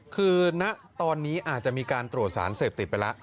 คือณตอนนี้อาจจะมีการตรวจสารเสพติดไปแล้ว